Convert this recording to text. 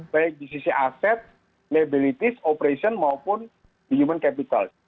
baik di sisi aset liabilities operation maupun human capital